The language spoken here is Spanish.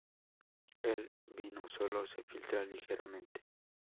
El vino sólo se filtra ligeramente.